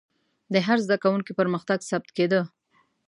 د هر زده کوونکي پرمختګ ثبت کېده.